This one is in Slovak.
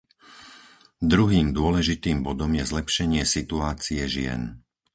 Druhým dôležitým bodom je zlepšenie situácie žien.